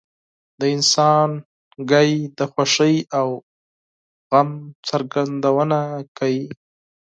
• د انسان ږغ د خوښۍ او غم څرګندونه کوي.